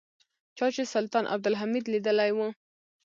چا چې سلطان عبدالحمید لیدلی و.